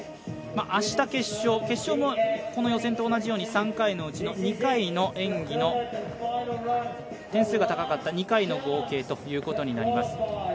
明日決勝決勝も、この予選と同じように３回のうちの２回の演技の点数が高かった２回の合計ということになります。